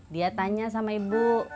dia tanya sama ibu